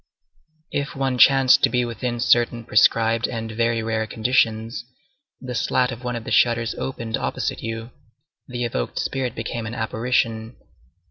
If one chanced to be within certain prescribed and very rare conditions, the slat of one of the shutters opened opposite you; the evoked spirit became an apparition.